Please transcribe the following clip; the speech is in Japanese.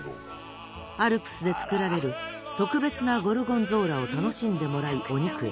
アルプスで作られる特別なゴルゴンゾーラを楽しんでもらいお肉へ。